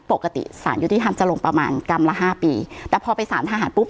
ปกติสารยุติธรรมจะลงประมาณกรรมละห้าปีแต่พอไปสารทหารปุ๊บ